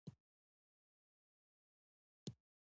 هرات هر وخت د خراسان مهم ښار و.